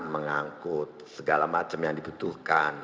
mengangkut segala macam yang dibutuhkan